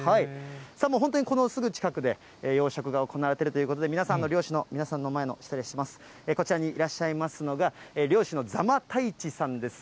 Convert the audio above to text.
本当にこのすぐ近くで、養殖が行われているということで、皆さんの前の、失礼します、こちらにいらっしゃいますのが、漁師の座間太一さんです。